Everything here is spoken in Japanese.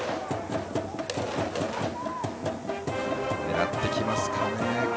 狙ってきますかね。